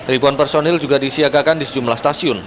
ribuan personil juga disiagakan di sejumlah stasiun